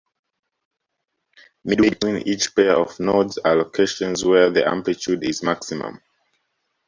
Midway between each pair of nodes are locations where the amplitude is maximum.